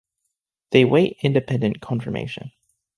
They await independent confirmation.